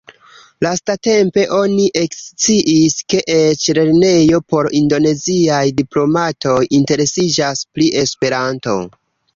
Lastatempe oni eksciis ke eĉ lernejo por indoneziaj diplomatoj interesiĝas pri Esperanto.